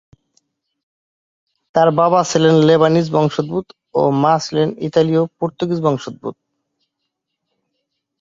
তার বাবা ছিলেন লেবানিজ বংশোদ্ভূত ও মা ছিলেন ইতালীয়-পর্তুগিজ বংশোদ্ভূত।